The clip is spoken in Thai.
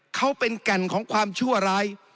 เขาเป็นแก่นของความชั่วร้าย